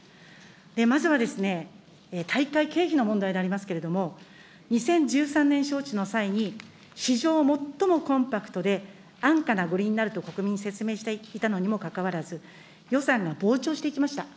まずはですね、大会経費の問題でありますけれども、２０１３年招致の際に、史上最もコンパクトで安価な五輪になると国民に説明していたにも関わらず、予算が膨張していきました。